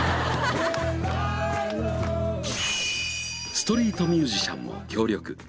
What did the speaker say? ストリートミュージシャンも協力。